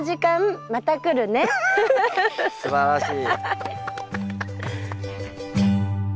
すばらしい。